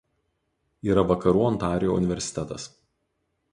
Yra Vakarų Ontarijo universitetas.